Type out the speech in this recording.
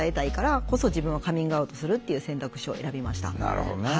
なるほどね。